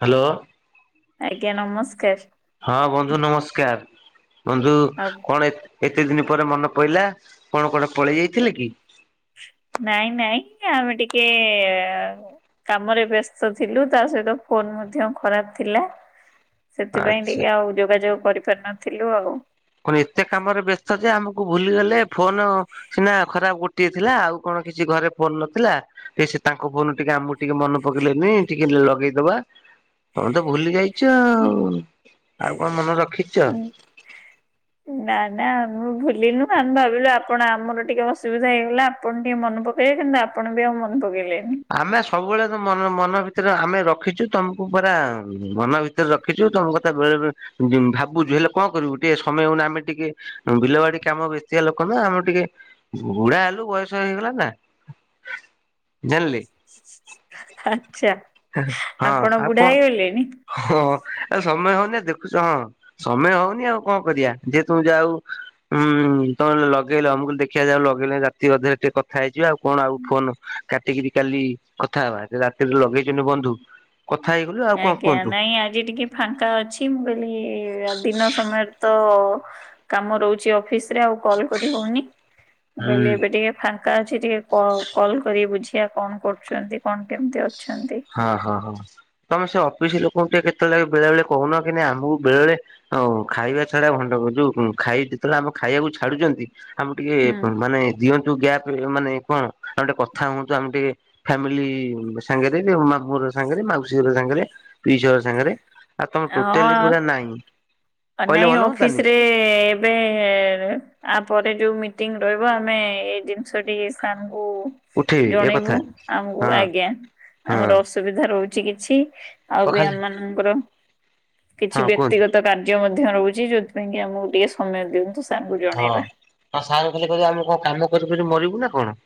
Hello ଆଜ୍ଞା ନମସ୍କାର ହଁ ବନ୍ଧୁ ନମସ୍କାର ବନ୍ଧୁ ଆଉ କଣ ଏତେ ଦିନ ପରେ ମନେ ପଡିଲା କଣ କଣ ପଳେଇ ଯାଇଥିଲେ କି ନାଇଁ ନାଇଁ ଆମେ ଟିକେ କାମରେ ବ୍ୟସ୍ତ ଥିଲୁ ତା ସହିତ ଫୋନ ମଧ୍ୟ ଖରାପ ଥିଲା। ସେଥିପାଇଁ ଆଚ୍ଛା। ଟିକେ ଆଉ ଯୋଗାଯୋଗ କରିପାରିନଥିଲୁ ଆଉ। କଣ ଏତେ କାମରେ ବ୍ୟସ୍ତ ଯେ ଆମକୁ ଭୁଲିଗଲେ ଫୋନ ସିନା ଖରାପ ଗୋଟିଏ ଥିଲା। ଆଉ କଣ କିଛି ଘରେ ଫୋନ ନଥିଲା। ଏଇ ଶି ତାଙ୍କ ଫୋନ ଟିକେ ଆମକୁ ଟିକେ ମନେ ପକେଇଲେନି ଟିକେ ଲଗେଇଦବା। ତମେ ତ ଭୁଲି ଯାଇ ଚ ଆଉ କଣ ମନେ ରଖିଚ। ନା ନା ଆମେ ଭୁଲି ନୁ ଆମେ ଭାବିଲୁ ଆପଣ ଆମର ଟିକେ ଅସୁବିଧା ହେଇଗଲା। ଆପଣ ଟିକେ ମନେ ପକେ ଏଇଖିନା ଆପଣ ବି ଆଉ ମନେ ପକେଇଲେ। ଆମେ ସବୁବେଳେ ତ ମନ ମନ ଭିତରେ ଆମେ ରଖିଚୁ। ତମକୁ ପୁରା ମନ ଭିତରେ ରଖିଚୁ। ତମ କଥା ବେଳେ ବେଳେ ଭାବୁଛୁ ହେଲେ କଣ କରିବୁ। ଟିକେ ସମୟ ହଉନି। ଆମେ ଟିକେ ବିଲବାଡି କାମ ବେ ଚିଆ ଲୋକ ନା ଆମର ଟିକେ ବୁଢା ହେଲୁ ବୟସ ହେଇଗଲା ନା। ଜାଣିଲେ ଆଛା ହଁ ଆପଣ ବୁଢା ହେଇଗଲେଣିି। ଆ ସମୟ ହଉନି ଦେଖୁଛ ହଁ। ସମୟ ହଉନି ଆଉ କଣ କରିବା। ଯେ ତୁମ ଯାଉ ଉଁ ତମେ ଲଗେଇ ଲ ମୁଁ କହିଲି ଦେଖିବା ଯାଉ ଲଗେଇଲେ ରାତି ଅଧରେ ଟିକେ କଥା ହେଇଯିବା। ଆଉ କଣ ଆଉ ଫୋନ କାଟିକିରି କାଲି ରି କଥା ହେବା ରାତିରେ ଲଗେଇଛନ୍ତି ବନ୍ଧୁ। କଥା ହେଇଗଲୁ ଆଉ କଣ ଆଜ୍ଞା କୁହନ୍ତୁ। ନାଇଁ ଆଜି ଟିକେ ଫାଙ୍କା ଅଛି। ମୁଁ କଇଲି ଦିନ ସମୟରେ ତ କାମ ରହୁଛି ଅଫିସରେ ଆଉ କଲ କରି ହଉନି। ମୁଁ ହୁଁ କହିଲି ଏବେ ଟିକେ ଫା କା ଅଛି ଟିକେ କଲ୍ କରିକି ବୁଝିବା। କଣ କରୁଛନ୍ତି କଣ କେମିତି ଅ ହଁ ହଁ ହଉ। ତମେ ସେ ଅଫିସ ଲୋକଙ୍କୁ ଟିକେ କେତେବେଳେ ବେଳେ ବଳେ କହୁନ। କି ନା ଆମକୁ ବେଳେ ବଳେ ଖାଇବା ଛଡା ଭଣ୍ଡ ଯୋଉ ଖାଇ ଯେତେବେଳେ ଆମ ଖାଇବାକୁ ଛାଡୁଛନ୍ତି। ଆମ ଟିକେ ହୁଁ ମାନେ ଦିଅନ୍ତୁ ଗ୍ୟାପ୍। ମିଲ ମାନେ କଣ ଆମେ ଟିକେ କଥା ହୁଅନ୍ତୁ। ଆମେ ଟିକେ ଫ୍ୟାମିଲି ସାଙ୍ଗରେ। ଉମା ପୁଅର ସାଙ୍ଗରେ ମାଉସୀର ସାଙ୍ଗରେ ପିଇସୀ ଘର ସାଙ୍ଗରେ। ଆଉ ତମର ଟୋଟାଲି ପୁରା ହଁ ନାହିଁ। ନାଇଁ ଅଫିସ ରେ ଏବେ ଆପ ପରେ ଯୋଉ ମିଟିଂ ରହିବ। ଆମେ ଏଇ ଜିନିଷଟି ସାରଙ୍କୁ ଓ ଉଠେଇବେ ଏ କଥା ଜଣେଇବୁ ଆମକୁ ହଁ ଆଜ୍ଞା ହଁ ଆମର ଅସୁବିଧା ରହୁଛି କିଛି। କ ଆଉ ବି ଖାଲି ଆମମାନଙ୍କର କିଛି ହଁ କୁହନ୍ତୁ ବ୍ୟକ୍ତିଗତ କାର୍ଯ୍ୟ ମଧ୍ୟ ରହୁଛି। ଯୋଉଥିପାଇଁ କି ଆମକୁ ଟିକେ ସମୟ ଦିଅନ୍ତୁ। ସାରଙ୍କୁ ହଁ ଜଣେଇବା। ଆ ସାର୍ ଖାଲି କଇଲେ ଆମେ କଣ କାମ କରି କରି ମରିବୁ ନା କଣ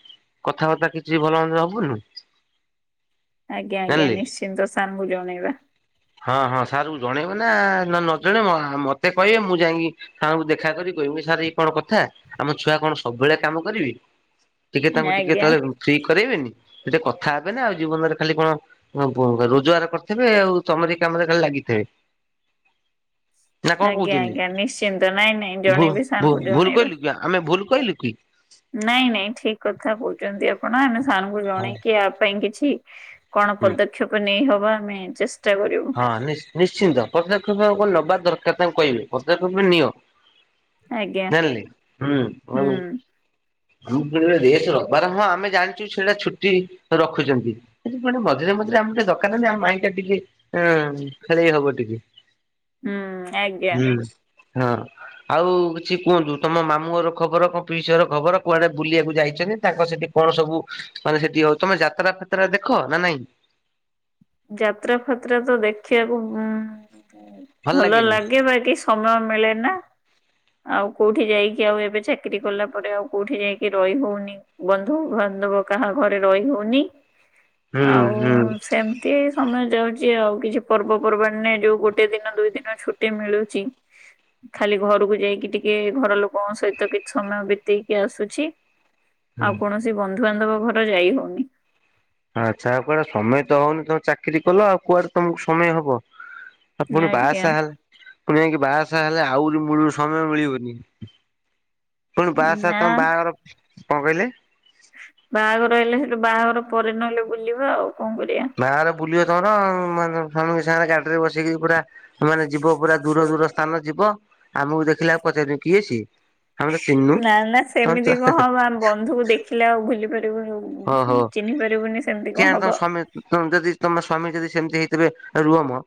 କଥାବାର୍ତ୍ତା କିଛି ଭଲ ମନ୍ଦ ହବୁନୁ। ଆଜ୍ଞା ଆଜ୍ଞା ଜାଣିଲେ ନିଶ୍ଚିନ୍ତ ସାର୍ ଙ୍କୁ ଜଣେଇବା। ହଁ ହଁ ସାର୍ କୁ ଜଣେଇବେ ନା ନା ନ ଜଣେଇବ ମତେ କହିବେ। ମୁଁ ଯାଇକି ସାର୍ ଙ୍କୁ ଦେଖା କରି କହମି ସାର୍ ଏଇ କଣ କଥା ଆମ ଛୁଆ କଣ ସବୁବେଳେ କାମ କରିବେ। ଟିକେ ତାଙ୍କୁ ଟିକେ ଆଜ୍ଞା। ତଳେ ରୁଚିକ କରେଇବେନି ସେ ଟେ କଥା ହେବେ ନା। ଆଉ ଜୀବନରେ ଖାଲି କଣ ରୋଜଗାର କରିଥିବେ। ଆଉ ତମରି କାମରେ ଖାଲି ଲାଗିଥିବେ। ନା କଣ ଆଜ୍ଞା କହୁଛନ୍ତି ଆଜ୍ଞା ନିଶ୍ଚିନ୍ତ ନାଇଁ ନାଇଁ ଭୁଲ ଜଣେଇବି ସାରଙ୍କୁ ଭୁଲ ଭୁଲ ଜଣେଇବା। କହିଲୁ କି? ଆମେ ଭୁଲ କହିଲୁ କି? ନାଇଁ ନାଇଁ ଠିକ କଥା କହୁଛନ୍ତି ଆପଣ। ଆମେ ସାର୍ ଙ୍କୁ ହଁ ଜଣେଇକି ଆ ପାଇଁ କିଛି କଣ ହୁଁ ପଦକ୍ଷେପ ନେଇ ହବ ଆମେ ଚେଷ୍ ହଁ ନି ନିଶ୍ଚିନ୍ତ ପଦକ୍ଷେପ କଣ ନବା ଦରକାର। ତାଙ୍କୁ କହିବେ ପଦକ୍ଷେପ ନିଅ। ଆଜ୍ଞା। ଯାଣିଲେ ହୁଁ ହୁଁ । ମୁଁ କହିଲି ରେଷଟ ରବିବାର ହଁ ଆମେ ଜାଣିଛୁ ସେଟା ଛୁଟି ରଖୁଛନ୍ତି। ପେ ମଝିରେ ମଝେରେ ଯେ ଆମକୁ ଟିକେ ଦରକାର ନାଁ ନାଇଁ ଆମ ମାଇଣ୍ଡି ଟା ଟିକେ ଅ ଖେଳେଇ ହବ ଟିକେ। ହୁଁ ଆଜ୍ଞା। ହୁଁ। ହଁ ଆଉ କିଛି କୁହନ୍ତୁ ତମ ମାମୁଁ ଘର ଖବର କଣ ପିଇସି ଘର ଖବର। କୁଆଡେ ବୁଲିବାକୁ ଯାଇ ଚନ୍ତି ତାଙ୍କ ସେଠି କଣ ସବୁ ମାନେ ସେଠି ଆଉ ତମେ ଯାତ୍ରା ଫାତ୍ରା ଦେଖ ନା ନାଇଁ। ଯାତ୍ରା ଫାତ୍ରା ତ ଦେଖିବାକୁ ଉଁ ଭଲ ଲାଗେ ବା କି ସମୟ ମିଳେ ନା ଆଉ କୋଉଠି ଯାଇକି ଆଉ ଏବେ ଚାକିରରି କଲା ପରେ ଆଉ କୋଉଠି ଯାଇକି ରହି ହଉନି ବନ୍ଧୁବାନ୍ଧବ କାହା ଘରେ ରହି ହଉନି ହୁଁ ଆଉ ହୁଁ। ସେମିତି ଏ ସମୟ ଯାଉଛି। ଯେ ଆଉ କିଛି ପର୍ବ ପର୍ବାଣି ନ ଯୋଉ ଗୋଟେ ଦିନ ଦୁଇ ଦିନ ଛୁଟି ମିଳୁଛି। ଖାଲି ଘରକୁ ଯାଇକି ଟିକେ ଘର ଲୋକଙ୍କ ସହିତ କିଛି ସମୟ ବିତେଇକି ଆସୁଛି ଆଉ କୌଣସି ବନ୍ଧୁବାନ୍ଧବ ଘର ଯାଇ ହଉନି। ଆଚ୍ଛା ଆଉ କୁଆଡେ ସମୟ ତ ହଉନି ତମେ ଚାକିରି କଲ ଆଉ କୁଆଡେ ତମକୁ ସମୟ ହବ ଆ ପୁଣି ବା ଆଜ୍ଞା ସାହା ପୁଣି ଆ ବାହା ସା ହେଲେ ଆହୁରି ମୂଳରୁ ସମୟ ମିଳିବନି। ପୁଣି ବାହାସାହା ନା ତମ ବାହାଘର ପ କଣ କହିଲେ? ବାହାଘର ହେଲେ ସେଠୁ ବାହାଘର ପରେ ନହେଲେ ବୁଲିବା ଆଉ। କଣ କରିବା। ବାହାଘର ବୁଲିବ ତମର ମାନେ ସମୁଦି ସାଙ୍ଗେ ଗାଡିରେ ବସିକି ପୁରା ମାନେ ଯିବ ପୁରା ଦୂର ଦୂର ସ୍ଥାନ ଯିବ ଆମକୁ ଦେଖିଲେ ଆଉ ପଚାରିବ କିଏ ସିଏ? ଆମେ ତ ଚିହ୍ନିନୁ ନା ନା ତମେ ତ ସେମିତି କଣ ହବ ଆମ ବନ୍ଧୁକୁ ଦେଖିଲେ ଆଉ ଭୁଲିବୁ ହଁ ହୋ ସେମିତି କିଆଁ ହବ। କଣ ସମ ଯଦି ତମେ ସମତେ ସ୍ଵାମୀ ଯଦି ସେମିତି ହେଇଥିବେ ରୁହମ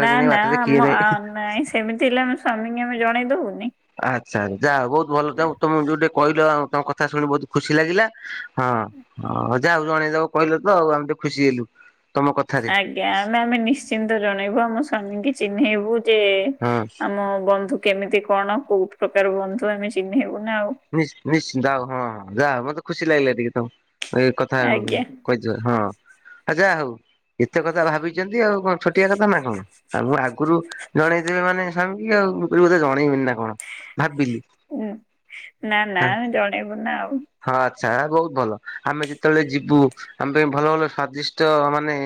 ନା ନା ଆମ ନାଇଁ ସେମିତି ହେଲେ ଆମ ସ୍ୱାମୀଙ୍କୁ ଆମେ ଜଣେଇ ଦବୁନୁ ଆଚ୍ଛା ଯା ବହୁତ ଭଲ ଯେ ତମେ ଯୋଉଟା କହିଲ ଆଉ ତମ କଥା ଶୁଣି ବହୁତ ଖୁସି ଲାଗିଲା ହଁ ହଁ ଯାଉ ଜଣେଇଦବ କହିଲ ତ ଆଉ ଆମ ଟିକେ ଖୁସି ହେଲୁ ତମ କଥାରେ ଆଜ୍ଞା ଆମେ ଆମେ ନିଶ୍ଚିନ୍ତ ଜଣେଇବୁ ଆମ ସ୍ୱାମୀଙ୍କୁ ଚିହ୍ନେଇବୁ ଯେ ହଁ। ଆମ ବନ୍ଧୁ କେମିତି କଣ କୋଉ ପ୍ରକାର ବନ୍ଧୁ ଆମେ ଚିହ୍ନେଇବୁ। ନା ଆଉ। ନିଶ୍ ନିଶ୍ଚିନ୍ତ ହଁ ହଁ ଯାହଉ ମତେ ଖୁସି ଲାଗିଲା ଟିକେ ତମ ଏଇ କଥା ଆଜ୍ଞା କହିଥିବାରୁ ହଁ ଆଉ ଯାହା ହଉ ଏତେ କଥା ଭାବିଛନ୍ତି। ଇଏ ଆଉ କଣ ଛୋଟିଆ କଥା ନା କଣ? ଆମର ଆଗରୁ ଜଣେଇ ଦେବେ ମାନେ ସ୍ୱାମୀ କି ଆଉ ମୁ କହିଲି ବୋଧେ ଜଣେଇବନି ନା କଣ? ଭାବିଲି ଉଁ ନା ନା ହଁ ଆମେ ଜଣେଇବୁ ନା ଆଉ। ହଁ ଆଚ୍ଛା ବହୁତ ଭଲ ଆମେ ଯେତେବେଳେ ଯିବୁ ଆମ ପାଇଁ ଭଲ ଭଲ ସ୍ଵାଦିଷ୍ଟ ମାନେ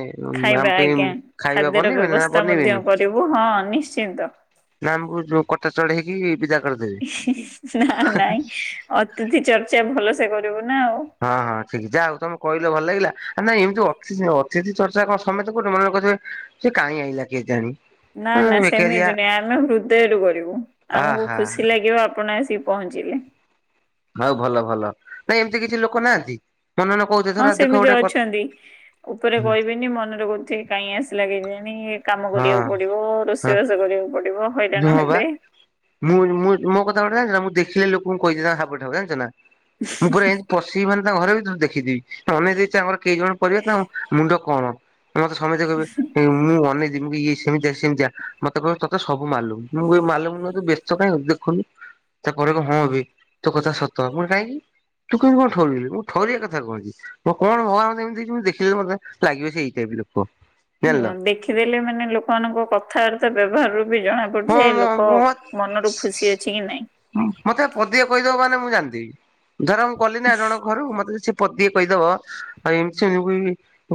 ଆମ ଖାଇବା ପାଇଁ ଆଜ୍ଞା ଖାଇବା ଖାଦ୍ୟର ବନେଇବ ନା ବ୍ୟବସ୍ଥା ମଧ୍ୟ ବନେଇବେନି କରିବୁ ହଁ ନିଶ୍ଚିନ୍ତ। ନା ଆମକୁ ଯୋଉ କଥା ଚଢ଼େଇ କି ବିଦାକରି ନା ନାଇଁ ଅତିଥି ଚର୍ଚ୍ଚା ଭଲ ସେ କରିବୁ ନା ଆଉ। ହଁ ହଁ ଠିକ୍ ଯାହା ହଉ ତମ କହିଲ ଭଲ ଲାଗିଲା ନାଇଁ ଏମିତି ଅକ୍ସି ଅତିଥି ଚର୍ଚ୍ଚା କଣ ସମତେ କରୁଛନ୍ତି। ଆପଣ କହୁଥିବେ ସେ କାହିଁ ଆଇିଲା କେଜାଣି ନା ହଁ ନା ବେକାରିଆ ସେମିତି ନାଇଁ ଆମେ ହୃଦୟରୁ କରିବୁ ଆମକୁ ଆହା ଖୁସି ଲାଗିବ ଆପଣ ଆସି ପହଞ୍ଚିଲେ। ହଉ ଭଲ ଭଲ ନାଇଁ ଏମିତି କିଛି ଲୋକ ନାହାନ୍ତି। ମନେ ମନେ କହୁଥିବେ ହଁ ଧର ଦେଖ ସେମିତି ଗୋଟେ କ ଅଛନ୍ତି ଉପରେ ହଁ କହିବିନି ମନରେ କହୁଥିଲି କାଇଁ ଆସିଲା କେଜାଣି କାମ କରିବାକୁ ପଡିବ ହଁ ରୋଷେଇବାସ କରିବାକୁ ପଡିବ। ହଇରାଣ ହଁ ବା ହେବେ। ମୁଁ ମୁଁ ମୋ କଥା ଗୋଟେ ଜାଣିଛ ନା ମୁଁ ଦେଖିଲେ ଲୋକଙ୍କୁ କହିଦିଏ ହାବଠାବ ଜାଣିଛ ନା? ମୁଁ ପୁରା ଏମିତି ପଶିବି ମାନେ ତାଙ୍କ ଘର ଭିତରେ ଦେଖିଦେବି ଅନେଇ ଦେଇଛି ଆମର କିଏ କଣ ପରିବା ତା ମୁଣ୍ଡ କଣ ମତେ ସମସ୍ତେ କହିବେ ମୁଁ ଅନେକ ଯେମିତି କି ସେମିତିଆ ସେମିତିଆ ମତେ କହନ୍ତେ ତତେ ସବୁ ମାଲୁମୁ ମୁ କହିବି ମାଲୁମୁ ନୁହଁ ତୁ ବ୍ୟସ୍ତ କାହିଁ ହୋଉଚୁ ଦେଖୁନୁ ତାପରେ କହିବ ହଁ ବେ ତୋ କଥା ସତ। ମୁଁ କହିଲି କାହିଁକି? ତୁ କେମିତି କଣ ଠରେଇଲୁ ମୁଁ ଠରିବା କଥା କୁହଛି ମୋ କଣ ଭଗବାନ ଏମିତି ଦେଇଛି ମୁ ଦେଖିଲେ ମତେ ଲାଗିବ ସେଇ ଟାଇପ ଲୋକ। ଜାଣିଲ ହୁଁ ଦେଖିଦେଲେ ମାନେ ଲୋକମାନଙ୍କ କଥାବାର୍ତ୍ତା ବ୍ୟବହାରରୁ ବି ଜଣା ହଁ ପଡୁଛି ଯେ ମ ଲୋକ ମ ମନରୁ ଖୁସି ଅଛି କି ନାଇଁ ମତେ ପା ପଦିଏ କହିଦବ ମାନେ ମୁଁ ଜାଣିଦେବି ଧର ମୁଁ ଗଲି ନା ଜଣଙ୍କ ଘରକୁ ମତେ ପଦିଏ କହିଦବ ଆଉ ଏମିତି ସେମିତି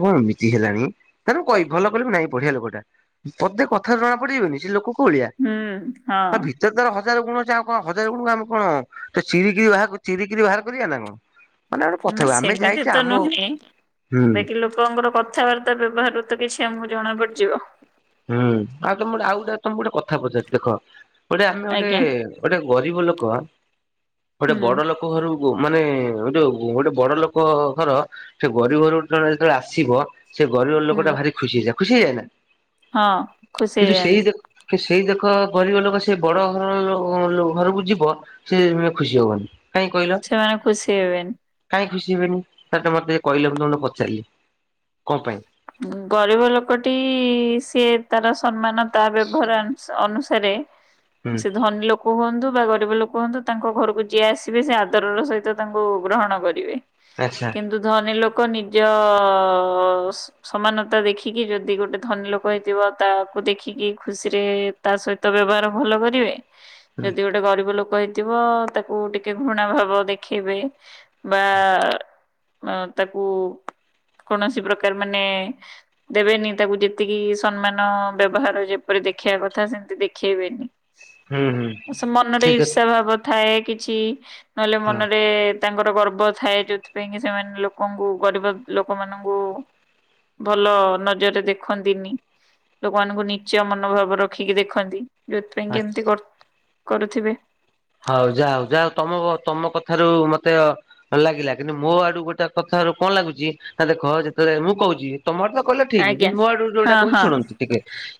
କହି ଏମିତି ହେଲାଣି ତାହାଲେ ମୁଁ କହିବି ଭଲ କରି ମୁଁ ନାଇଁ ପ ଢ଼ିଆ ଲୋକଟା ପଦେ କଥରୁ ଜଣା ପଡି଼ଯିବନି ସେ ଲୋକ କୋଉ ଅଳିଆ ହୁଁ ହଁ ଆଁ ଭିତରେ ତାର ହ ଜାର ଗୁଣ ଅଛି ଆଉ କଁ ହଜାର ଗୁଣୁକୁ ଆମେ କଣ ଟେ ଚିରିିକିଇ ବାହା ଚିରିିକିରି ବାହାର କରିବା ନାଁ କଁ? ନାଁ ସେମିତି ତ ନୁହେଁ ହୁଁ ବାକି ଲୋକଙ୍କର କଥାବାର୍ତ୍ତା ବ୍ୟବହାର ରୁ ତ କିଛି ଆମୁ ଜଣା ପଡ଼ିଯିବ। ହୁଁ ଆଉ ତମେ ଗୋଟେ ଆଉ ଗୋଟେ ତମୁ ଗୋଟେ କଥା ପଚାରୁ ଦେଖ ଗୋଟେ ଆମେ ଗୋଟେ ଆଜ୍ଞା। ଗୋଟେ ଗରିବ ଲୋକ ବା ଗୋଟେ ହୁଁ ବଡ଼ ଲୋକ ଘରୁ ବୋଉ ମାନେ ଯୋଉ ଗୋଟେ ବଡ଼ ଲୋକ ଘର ସେ ଗରିବ ଘରୁ ଗୋଟେ ଜଣେ ଯେତୋଳେ ଆସିବ ସେ ଗରିବ ହୁଁ ଲୋକଟା ଭାରି ଖୁସି ହେଇଯାଏ। ଖୁସି ହେଇଯାଏ ନାଁ? ହଁ, ଖୁସି ହେଇଯାନ୍ତି। କି ସେଇ ଦେଖ ଗରିବ ଲୋକ ସେ ବଡ଼ ଘର ଲୋ ଲୁ ଘରୁକୁ ଯିବ ସେ ଖୁସି ହବନି। କାହିଁ କହିଲ ସେମାନେ ଖୁସି ହେବେନି। କାହିଁ ଖୁସି ହେବେନି। ଆଚା ମତେ କହିଲେ ମୁଁ ତମୁ ତ ପଚାରିଲି କଁ ପାଇଁ? ଉଁ ଗରିବ ଲୋକଟି ସିଏ ତାର ସନ୍ମାନ ତା ବ୍ୟବହାର ଆନସ ଅନୁସ ହାରେ ହୁଁ ସେ ଧନୀ ଲୋକ ହୁଅନ୍ତୁ ବା ଗରିବ ଲୋକ ହୁଅନ୍ତୁ ତାଙ୍କ ଘରୁକୁ ଯିଏ ଆସିବେ ସେ ଆଦରର ସହିତ ତାଙ୍କୁ ଗ୍ରହଣ କରିବେ। ଆଚ୍ଛା କିନ୍ତୁ ଧନୀ ଲୋକ ନିଜ ଅ ସମାନତା ଦେଖିକି ଯଦି ଗୋଟେ ଧନୀ ଲୋକ ହେଇଥିବ ତାକୁ ଦେଖିକି ଖୁସିରେ ତା ସହିତ ବେ ହେବଆର ଭଲ କରିବେ, ହୁଁ ଯଦି ଗୋଟେ ଗରିବ ଲୋକ ହେ ତିବ ତାକୁ ଟିକେ ଘୃଣା ଭାବ ଦେଖେଇବେ ବା ଅଁ ତାକୁ କୌଣସି ପ୍ରକାର ମାନେ ଦେବେନି ତାକୁ ଯେତିକି ସନ୍ମାନ, ବ୍ୟବହାର ଯେପରି ଦେଖେଇବା କଥା ସେମତି ଦେଖେଇବେନି। ହୁଁ ହୁଁ ଅସ୍ ମନରେ ଠିକ ଅଛି ଈର୍ଷା ଭାବ ଥାଏ କିଛି ନହେଲେ ହଁ ମନରେ ତାଙ୍କର ଗର୍ବ ଥାଏ ଯୋଉଥିପାଇଁ କି ସେମାନେ ଲୋକଙ୍କୁ ଗରିବ ଲୋକମାନଙ୍କୁ ଭଲ ନଜରରେ ଦେଖନ୍ତିନି। ଲୋକମାନଙ୍କୁ ନୀଚ ମନୋଭାବ ରଖିକି ଦେଖନ୍ତି। ଯୋଉଥିପାଇଁ କି ଆଚ୍ଛା କେମିତି କର କରୁଥିବେ। ହଉ ଯାହା ହଉ ଯାହା ହଉ ତମ ତମ କଥାରୁ ମତେ ଅ ଲାଗିଲା, କିନ୍ତୁ ମୋ ଆଡ଼ୁ ଗୋଟେ କଥା ହାରୁ କଁ ଲାଗୁଚି ନାଁ ଦେଖ ଯେତଳେ ମୁଁ କହୁଚି ତମର ତ କହିଲ ଠିକ ଆଜ୍ଞା କିନ୍ତୁ ମୋ ଆଡ଼ୁ ଯୋଉଟା ହଁ କହୁଚି ହଁ ଶୁଣନ୍ତୁ ଟିକେ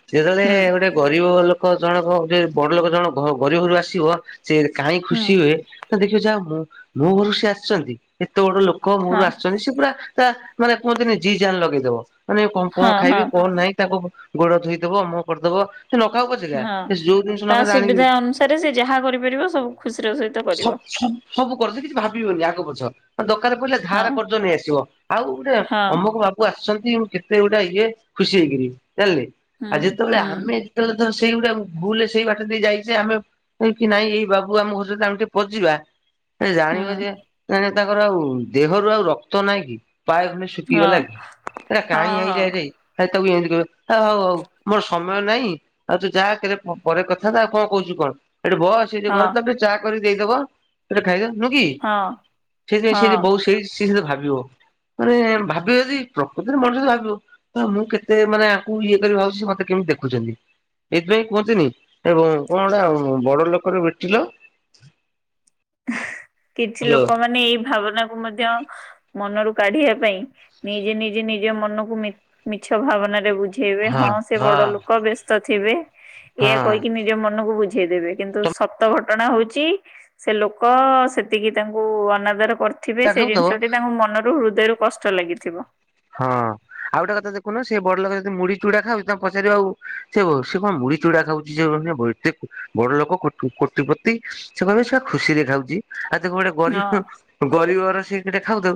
ସିଏ ଏତୋଳେ ହୁଁ ଗୋଟେ ଗରିବ ଲୋ କ ଜଣକ ଗୋଟେ ବଡ଼ ଲୋକ ଜଣ ଘ ଗରିବ ଘରୁ ଆସିବ ସେ କାଇଁ ହୁଁ ଖୁସି ହୁଏ ତ ଦେଖିଅ ଯାଅ ମୁଁ ମୋ ଘରୁ ସିଏ ଆସିଚନ୍ତି ଏତେ ବଡ଼ ଲୋକ ମୋ ଘରୁ ହଁ ଆସିଚନ୍ତି ସିଏ ପୁରା ତା ମାନେ କୁହନ୍ତିନି ଜି ଜାନ୍ ଲଗେଇଦବ ମାନେ କଁ କଁ ହଁ ହଁ ଖାଇବେ କଁ ନାଇଁ ତାଙ୍କ ଗୋଡ଼ ଧୋଇଦବ ମୁହଁ କରିଦବ। ସେ ନଖାଉ ପଛେକା ହଁ। ଏସ୍ ଯୋଉ ଜିନିଷ ତା ନଖା ଜାଣି ସୁବିଧା ଅନୁସାରେ ସେ ଯାହା କରିପାରିବ ସବୁ ଖୁସିର ସହିତ କରିବ ସ ସ ସବୁ କର ସେ କିଛି ଭାବିବନି ଯେ ଆଗ ପଛ। ଅ ଦକାର ପଇଲେ ହଁ। ଧାର କର୍ଜ ନେଇ ଆସିବ ଆଉ ଗୋଟେ ହଁ ଅମକ ବାବୁ ଆସିଚନ୍ତ ଇଉ କେତେ ଗୁଟା ଇଏ ଖୁସି ହେଇକିରି ଜାଣିଲେ ହୁଁ ଆ ଯେତୋଳେ ହୁଁ ଆମେ ଯେତୋଳେ ଥାଉ ସେଇ ଗୁଟେ ଆମୁ ଭୁଲରେ ସେଇ ବାଟ ଦେଇ ଯାଇଚେ ଆମେ ଏ କି ନାଇଁ ଏଇ ବାବୁ ଆମ ଘର ସହିତ ଆମେ ଟିକେ ପଜିବା ଏଁ ହୁଁ ଜାଣିବ ଯେ ଆରେ ତାଙ୍କର ଆଉ ଦେହରୁ ଆଉ ରକ୍ତ ନାହିଁ କି? ପାଏ ଖଣ୍ଡେ ହଁ ଶୁକିଗଲା କି ଏରା କାହିଁ ହଁ ଆଇଲା ଏଟେଇ ଖାଲି ତାକୁ ଏନ୍ତି କହିବେ ଆ ହଉ ହଉ ମୋର ସମୟ ନାହିଁ ଆଉ ତୁ ଯା କେରେ ପରେ କଥାବାର୍ତ୍ତା ଆଉ କଣ କୋହୁଚୁ କଣ ଏଠି ବ ସେଇ ଯେ ହଁ ଘରେ ତା ପାଇଁ ଚା କରି ଦେଇଦବ ଏଟେ ଖାଇଦ ନୁ କି ହଁ ସେଇଥିପାଇଁ ସିଏ ହଁ। ଯେ ବହୁ ସେଇ ସିଏ ସେତେ ଭାବିବ ମାନେ ଭାବିବ ଯେ ପ୍ରକୃତରେ ମଣିଷ ତ ଭାବିବ ତ ମୁଁ କେତେ ମାନେ ଆଙ୍କୁ ଇଏ କରି ଭାବୁଚି ସିଏ ମତେ କେମିତି ଦେଖୁଚନ୍ତି। ଏଇଥିପାଇଁ କୁହନ୍ତିନି ଏ କ କଣଟା ବଡ଼ ଲୋକର ବେଟିଲ କିଛି ହ୍ୟାଲୋ ଲୋକମାନେ ଏଇ ଭାବନାକୁ ମଧ୍ୟ ମନରୁ କାଢ଼ିବା ପାଇଁ ନିଜେ ନିଜେ ନିଜ ମନକୁ ମି ମିଛ ଭାବନାରେ ବୁ ଝେଇବେ ହଁ ସେ ବଡ଼ ଲୋକ ବ୍ୟସ୍ତ ଥିବେ ଏଇଆ ହଁ କହିକି ନିଜ ମନକୁ ବୁ ବୁଝେଇଦବେ କିନ୍ତୁ ତମେ ସତ ଘଟଣା ହଉଛି ସେ ଲୋକ ସେତିକି ତାଙ୍କୁ ଅନାଦର। କରିଥିବେ ଚା ସେ ଖାଉଥିବ ଜିନିଷଟି ତାଙ୍କୁ ମନରୁ ହୃଦୟରୁ କଷ୍ଟ ଲାଗିଥିବ। ହଁ ଆଉ ଗୋଟେ କଥା ଦେଖୁନ ସେ ବଡଲୋକ ଯଦି ମୁଢି ଚୁଡା ଖାଉଛି ତାଙ୍କୁ ପଚାରିବ ଆଉ ସେ ହ ସେ କଣ ମୁ ମୁଢ଼ି ଚୁଡା ଖାଉଛି ସେ ଏତେ ବଡ ଲୋକ କୋଟିପତି ସେ କହିବେ ସେ ବା ଖୁସିରେ ଖାଉଛି। ଆଉ ତାକୁ ଗୋଟେ ହଁ ଗରିବ ଗରିବର ସେ କିଟେ ଖାଉଥାଉ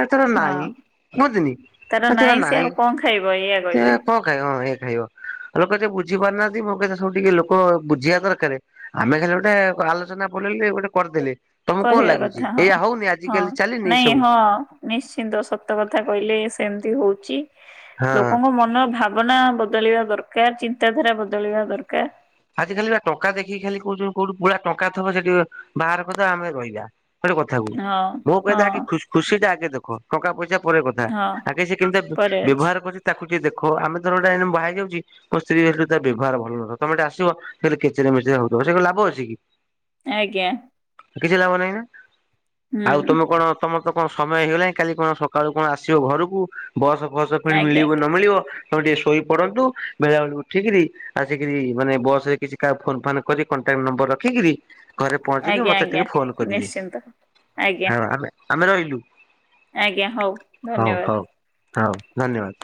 ହେ ତାର ହଁ ନାହିଁ। କୁହନ୍ତିନି ହେ ତାର ସେ ନାଇଁ ଆଉ କଣ ଖାଇବ ଏଇଆ ସେ କହିବେ। କଣ ଖାଇବ ହଁ ଏ ଖାଇବ ଲୋକ ଯିଏ ବୁଝି ବୁଝିପାରୁନାହାନ୍ତି ମୋକହିବାକଥା ସବୁ ଟିକେ ଲୋକ ବୁଝିବା ଦରକାର ଆମେ ଖାଲି ଗୋଟେ ଆଲୋଚନା ପଡିଲେ ବୋଲି ଗୋଟେ କରିଦେଲେ। ତମକୁ କଣ କହିବା ଲାଗୁଛି କଥା ଏଇଆ ହଁ ହଉନି ହଁ ଆଜିକାଲି ଚାଲିନି ଏ ନାଇଁ ସବୁ ହଁ ନିଶ୍ଚିନ୍ତ ସତ କଥା। କଥା କହିଲେ ସେମିତି ହଉଛି ହଁ। ଲୋକଙ୍କ ମନର ଭାବନା। ବଦଳିବା ଦରକାର ଚିନ୍ତାଧାରା ବଦଳିବା ଦରକାର। ଆଜି ଖାଲି ଟଙ୍କା ଦେଖିକି ଖାଲି କୋଉ କୋଉଠି ପୁରା ଟଙ୍କା ଥିବ ସେଠି ବାହାର କଥା ଆମେ ରହିବା। ଗୋଟେ କଥା କୁ ହଁ ମୋହିବା ହଁ କଥା ଖୁସି ଟା ଆଗେ ଦେଖ ଟଙ୍କା ପଇସା। ପରେ କଥା ହଁ ଆଗ ସେ କେମିତି ପରେ ଅଛି ବ୍ୟବହାର କରିଛି ତାକୁ। ଟ ଦେଖ ଆମେ ତଥ ବାହାଇ ଯାଉଛ ମୋ ସ୍ତ୍ରୀ ହେୁ ବ୍ୟବହାର ଭଲ ନଥ ତମେ ଟା କେଚେରେ ମେଚେ ହଉଥିବ ସେ ଲାଭ ଅଛି କି। ଆଜ୍ଞା। କିଛି ଲାଭ ନାହିଁ ନା ହୁଁ। ଆଉ ତମେ କଣ ତମ। କଣ ସମୟ ହେଇଗଲାଣି କାଲି କଣ ସକାଳୁ କଣ ଆସିବ ଘରକୁ ବସ ଫସ ଫଣି ଆଜ୍ଞା ମିଳିବ ନ ମିଳିବ। ତଣ ଟିକେ ଶୋଇ ପଡନ୍ତୁ ମେଳା ବଳ ଉଠିକରି ଆସିକରି ମାନେ ବସ ରେ କିଛି କା ଫୋନ୍ ଫନ୍ କରି କଣ୍ଟାକ୍ଟ ନମ୍ବର ରଖିକିରି। ଘରେ ପହଞ୍ଚିକି ଆଜ୍ଞା ମତେ ଆଜ୍ଞା ଟିକେ ଫୋନ କରିବେ ନିଶ୍ଚିନ୍ତ। ଆଜ୍ଞା ହଁ ଆମେ ଆମେ ରହିଲୁ। ଆଜ୍ଞା ହଉ ହଉ ଧନ୍ୟବାଦ। ହଉ ହଉ ଧନ୍ୟବାଦ।